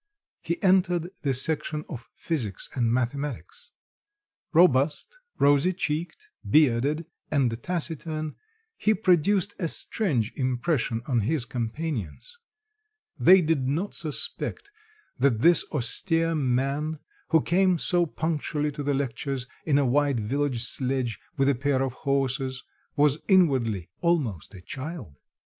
He entered the section of physics and mathematics. Robust, rosy cheeked, bearded, and taciturn, he produced a strange impression on his companions; they did not suspect that this austere man, who came so punctually to the lectures in a wide village sledge with a pair of horses, was inwardly almost a child.